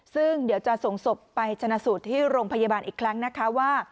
ซึ่งเดี๋ยวจะส่งศพไปชนะสูตรที่โรงพยาบาลอีกครั้งนะคะว่า